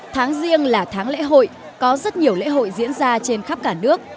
tháng riêng là tháng lễ hội có rất nhiều lễ hội diễn ra trên khắp cả nước